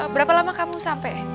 berapa lama kamu sampai